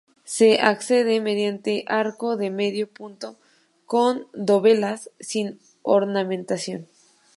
Se accede mediante arco de medio punto con dovelas sin ornamentación.